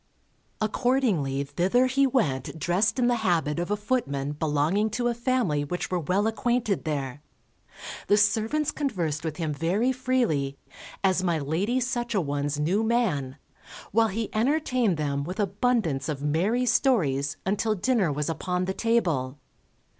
Accordingly thither he went dressed in the habit of a footman belonging to a family which were well acquainted there; the servants conversed with him very freely, as my Lady Such a one's new man, while he entertained them with abundance of merry stories, until dinner was upon the table.